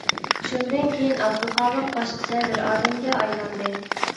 شۇندىن كېيىن ئابدۇخالىق باشقىچە بىر ئادەمگە ئايلاندى.